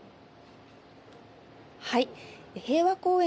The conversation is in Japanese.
平和公園